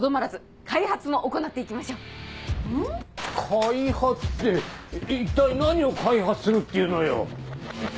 開発って一体何を開発するっていうのよ？